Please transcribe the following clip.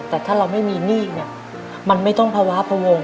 แต่ถ้าเราไม่มีหนี้เนี่ยมันไม่ต้องภาวะพวง